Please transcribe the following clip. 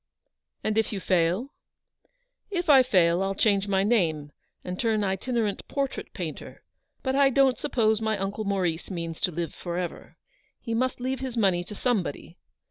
"And if you fail—" "If I fail, I'll change my name, and turn itinerant portrait painter. But I don't suppose my uncle Maurice means to live for ever. He must leave his money to somebody.